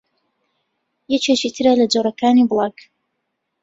یەکێکی ترە لە جۆرەکانی بڵاگ